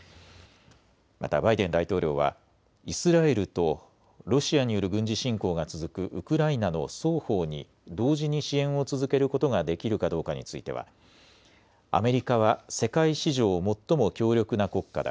また、バイデン大統領はイスラエルとロシアによる軍事侵攻が続くウクライナの双方に同時に支援を続けることができるかどうかについてはアメリカは世界史上、最も強力な国家だ。